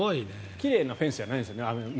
奇麗なフェンスじゃないんですよね。